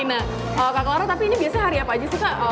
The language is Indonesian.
nah kak clara tapi ini biasanya hari apa aja sih kak